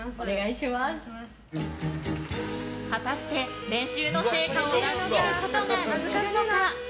果たして、練習の成果を出し切ることができるのか？